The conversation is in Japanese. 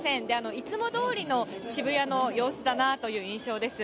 いつもどおりの渋谷の様子だなという印象です。